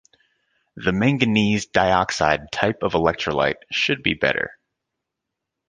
The manganese dioxide type of electrolyte should be better.